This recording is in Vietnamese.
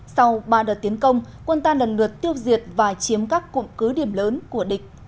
sau ba đợt tiến công quân ta lần lượt tiêu diệt và chiếm các cụm cứ điểm lớn của địch